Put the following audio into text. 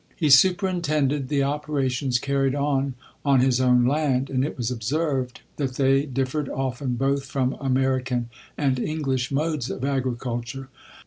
He superintended the operations carried on on his own land ; and it was observed that they differed often both from American and English modes of agriculture.